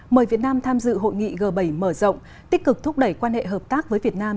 mời việt nam tham dự hội nghị g bảy mở rộng tích cực thúc đẩy quan hệ hợp tác với việt nam